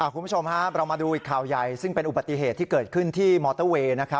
คุณผู้ชมครับเรามาดูอีกข่าวใหญ่ซึ่งเป็นอุบัติเหตุที่เกิดขึ้นที่มอเตอร์เวย์